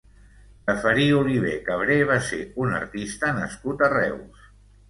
Ceferí Olivé Cabré va ser un artista nascut a Reus.